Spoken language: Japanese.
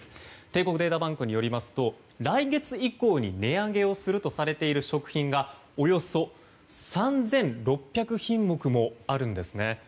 帝国データバンクによりますと来月以降に値上げをするとされている食品がおよそ３６００品目もあるんですね。